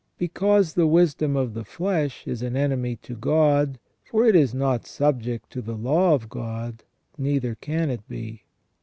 Because the wisdom of the flesh is an enemy to God, for it is not subject to the law of God, neither can it be.